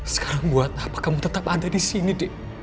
sekarang buat apa kamu tetap ada di sini dek